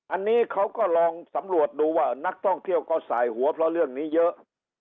อันนี้เขาก็ลองสำรวจดูว่านักท่องเที่ยวก็สายหัวเพราะเรื่องนี้เยอะ